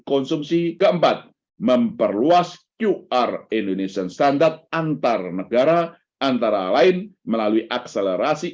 konsumsi keempat memperluas qr indonesia standar antarnegara antara lain melalui akselerasi